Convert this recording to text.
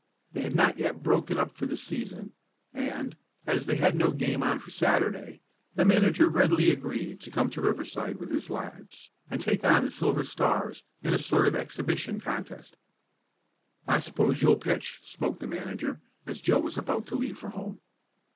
They had not yet broken up for the season, and, as they had no game on for Saturday, the manager readily agreed to come to Riverside with his lads, and take on the Silver Stars in a sort of exhibition contest. "I suppose you'll pitch?" spoke the manager, as Joe was about to leave for home.